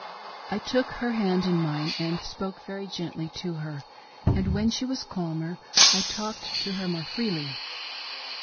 I took her hand in mine and spoke very gently to her, and when she was calmer, I talked to her more freely.